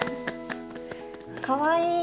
かわいい！